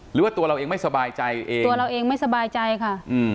หรือว่าตัวเราเองไม่สบายใจเองตัวเราเองไม่สบายใจค่ะอืม